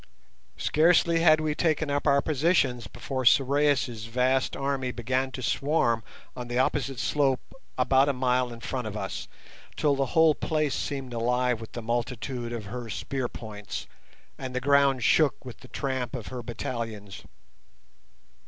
Scarcely had we taken up our positions before Sorais' vast army began to swarm on the opposite slope about a mile in front of us, till the whole place seemed alive with the multitude of her spearpoints, and the ground shook with the tramp of her battalions.